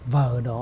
và ở đó